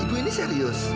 ibu ini serius